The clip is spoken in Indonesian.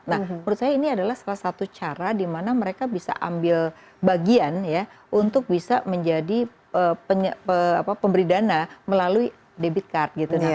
nah menurut saya ini adalah salah satu cara di mana mereka bisa ambil bagian ya untuk bisa menjadi pemberi dana melalui debit card gitu